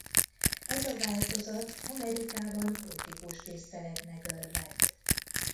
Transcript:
Ez a változat Amerikában kultikus tiszteletnek örvend.